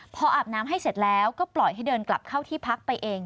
พออาบน้ำให้เสร็จแล้วก็ปล่อยให้เดินกลับเข้าที่พักไปเอง